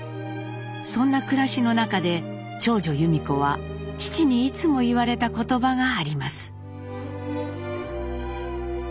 そんな暮らしの中で長女由美子は父にいつも言われた言葉があります。